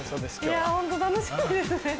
いやホント楽しみですね。